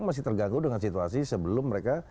masih terganggu dengan situasi sebelum mereka